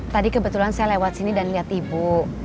tadi kebetulan saya lewat sini dan lihat ibu